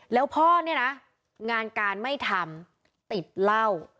แล้วพ่อเนี่ยนะงานการไม่ทำติดเหล้า